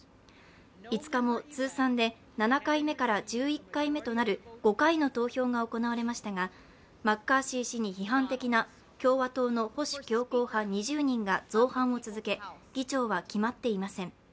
５日も通算で７回目から１１回目となる５回の投票が行われましたがマッカーシー氏に批判的な共和党の保守強硬派２０人が造反を続け、議長は決まっていません。